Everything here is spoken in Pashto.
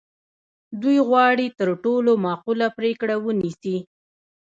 دوی غواړي تر ټولو معقوله پرېکړه ونیسي.